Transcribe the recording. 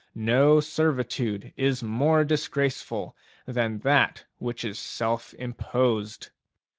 No servitude is more dis graceful than that which is self imposed.